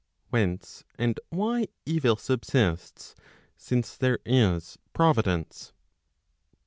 Whence and why evil subsists, since there is Providence?